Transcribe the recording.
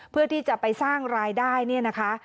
เพื่อที่จะไปสร้างรายได้เนี่ยนะคะ